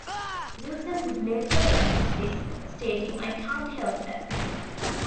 Wilson would later lament this, stating, I can't help that.